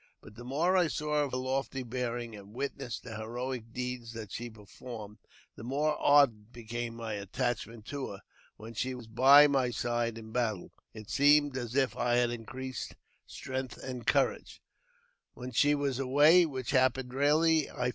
But the more I saw of her lofty ■ bearing, and witnessed the heroic deeds that she performed, the 1 more ardent became my attachment to her. When she was by my side in battle, it seemed as if I had increased strength and courage ; when she was away, which happened rarely, I